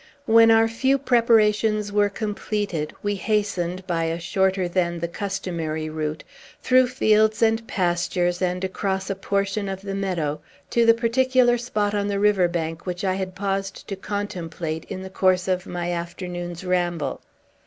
When our few preparations were completed, we hastened, by a shorter than the customary route, through fields and pastures, and across a portion of the meadow, to the particular spot on the river bank which I had paused to contemplate in the course of my afternoon's ramble.